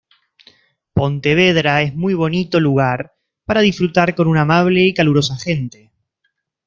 Pontevedra es muy bonito lugar para disfrutar con una amable y calurosa gente.